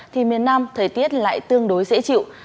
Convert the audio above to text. thì miền nam thời tiết lại tương đối dễ chịu